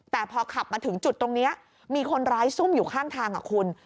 แต่พอขับมาถึงจุดตรงนี้มีคนร้ายซุ่มอยู่ข้างทางคุณ